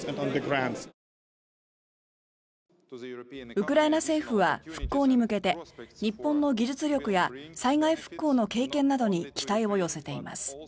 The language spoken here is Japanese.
ウクライナ政府は復興に向けて日本の技術力や災害復興の経験などに期待を寄せています。